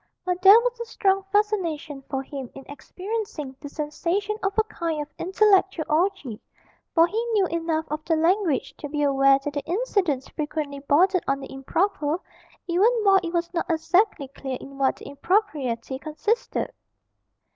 But there was a strong fascination for him in experiencing the sensation of a kind of intellectual orgie, for he knew enough of the language to be aware that the incidents frequently bordered on the improper, even while it was not exactly clear in what the impropriety consisted.